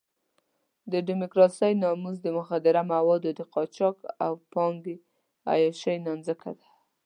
د ډیموکراسۍ ناموس د مخدره موادو د قاچاق د پانګې عیاشۍ نانځکه ده.